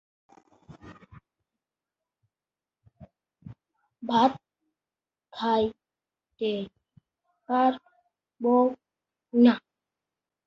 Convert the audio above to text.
এক অগ্নিকাণ্ডে তার পরিবার-পরিজনের মৃত্যু হয়েছিল।